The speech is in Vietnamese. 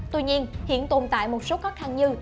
tuy nhiên hiện tồn tại một số khó khăn như